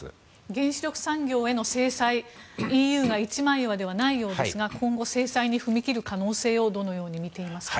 原子力産業への制裁ＥＵが一枚岩ではないようですが今後、制裁に踏み切る可能性をどのようにみていますか？